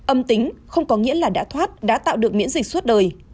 âm tính không có nghĩa là đã thoát đã tạo được miễn dịch suốt đời